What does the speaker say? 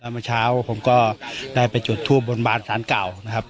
เมื่อเช้าผมก็ได้ไปจุดทูบบนบานสารเก่านะครับ